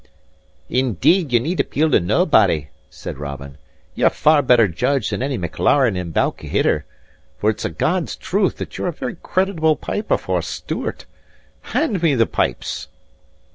"Indeed, ye need appeal to naebody," said Robin. "Ye're a far better judge than any Maclaren in Balquhidder: for it's a God's truth that you're a very creditable piper for a Stewart. Hand me the pipes."